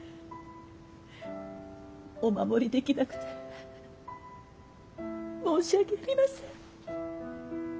お守りできなくて申し訳ありません。